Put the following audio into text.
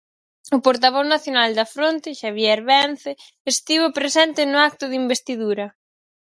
O portavoz nacional da fronte, Xavier Vence, estivo presente no acto de investidura.